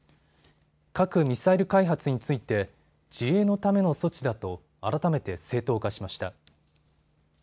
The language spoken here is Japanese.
核・ミサイル開発について自衛のための措置だと改めて正当化しました。